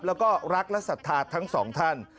แล้วก็รักและศรัทธาทั้งสองท่าน